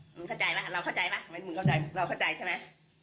มึงเข้าใจไหมเราเข้าใจไหมมึงเข้าใจเราเข้าใจใช่ไหม